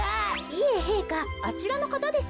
いえへいかあちらのかたです。